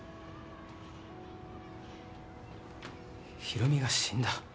博美が死んだ？